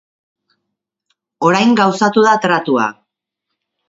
Orain gauzatu da tratua.